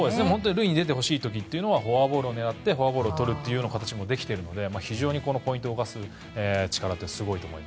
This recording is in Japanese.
塁に出てほしい時はフォアボールを狙ってフォアボールをとることもできているので非常にポイントを動かす力ってすごいと思います。